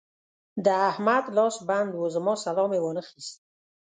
د احمد لاس بند وو؛ زما سلام يې وانخيست.